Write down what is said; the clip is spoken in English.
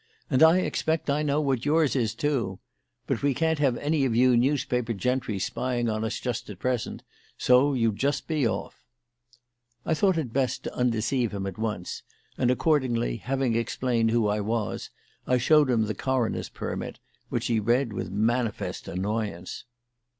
"And I expect I know what yours is, too. But we can't have any of you newspaper gentry spying on us just at present, so you just be off." I thought it best to undeceive him at once, and accordingly, having explained who I was, I showed him the coroner's permit, which he read with manifest annoyance.